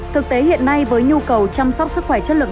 thực tế hiện nay với nhu cầu chăm sóc sức khỏe chất lượng